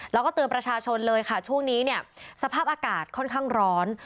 แล้วก็เตือนประชาชนเลยค่ะช่วงนี้เนี่ยสภาพอากาศค่อนข้างร้อน